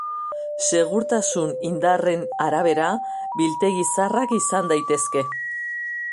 Segurtasun indarren arabera, biltegi zaharrak izan daitezke.